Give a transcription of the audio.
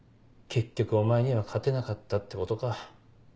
結局お前には勝てなかったってことか。